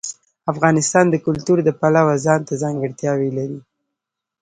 افغانستان د کلتور د پلوه ځانته ځانګړتیا لري.